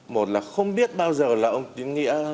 một là không biết bao giờ là ông tín nghĩa